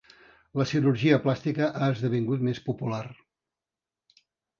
La cirurgia plàstica ha esdevingut més popular.